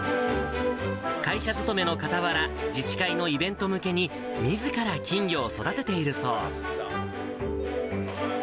会社勤めのかたわら、自治会のイベント向けに、みずから金魚を育てているそう。